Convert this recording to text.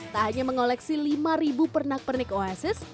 tak hanya mengoleksi lima pernakian